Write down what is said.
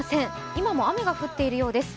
今も雨が降っているようです。